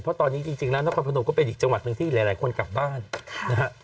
เพราะตอนนี้จริงแล้วนครพนมก็เป็นอีกจังหวัดหนึ่งที่หลายคนกลับบ้านนะฮะ